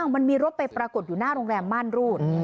มันมีรถไปปรากฏอยู่หน้าโรงแรมม่านรูด